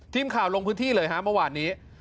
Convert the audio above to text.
ทีมข่าวลงพื้นที่เลยฮะเมื่อวานนี้